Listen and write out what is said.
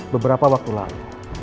beberapa waktu lalu